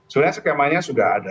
sebenarnya skemanya sudah ada